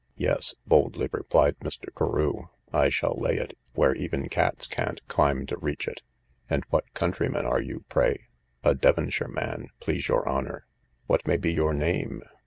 Yes, boldly replied Mr. Carew, I shall lay it where even cats can't climb to reach it. And what countryman are you, pray? A Devonshire man, please your honour. What may be your name?